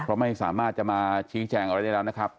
เพราะไม่สามารถจะมาชี้แจงอะไรได้แล้วนะครับ